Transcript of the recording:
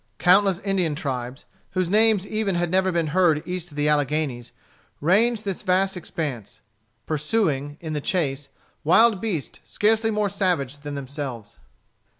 Countless Indian tribes, whose names even had never been heard east of the Alleghanies, ranged this vast expanse, pursuing, in the chase, wild beasts scarcely more savage than themselves.